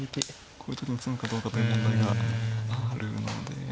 こういう時に詰むかどうかという問題があるので。